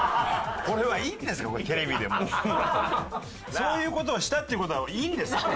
そういう事をしたって言う事はいいんですね？